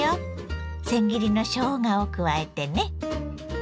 せん切りのしょうがを加えてね。